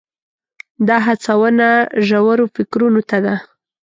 دا هڅونه ژورو فکرونو ته ده.